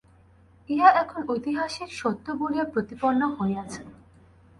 ইহা এখন ঐতিহাসিক সত্য বলিয়া প্রতিপন্ন হইয়াছে।